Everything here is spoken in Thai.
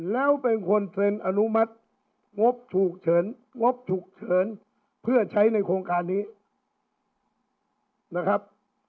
แล้วเป็นคนเซ็นอนุมัติงบฉุกเฉินงบฉุกเฉินเพื่อใช้ในโครงการนี้นะครับ